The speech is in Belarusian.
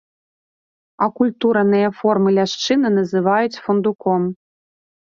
Акультураныя формы ляшчыны называюць фундуком.